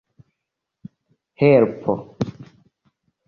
helpo